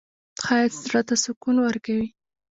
ښایست زړه ته سکون ورکوي